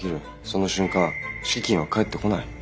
その瞬間敷金は返ってこない。